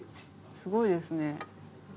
すごいですね。